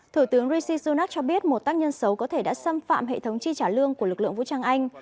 thủ tướng rishi sunak cho biết một tác nhân xấu có thể đã xâm phạm hệ thống chi trả lương của lực lượng vũ trang anh